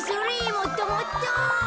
もっともっと。